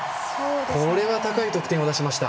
これは高い得点を出しました。